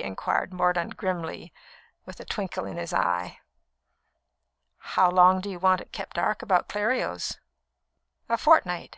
inquired Mordaunt grimly, but with a twinkle in his eye. "How long do you want it kept dark about Clerios?" "A fortnight."